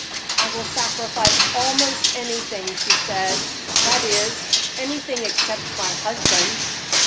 "I will sacrifice almost anything," she said; "that is, anything except my husband."